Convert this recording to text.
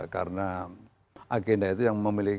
karena agenda itu yang memiliki